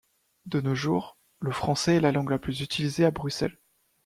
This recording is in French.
De nos jours, le français est la langue la plus utilisée à Bruxelles.